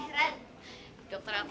aku juga mau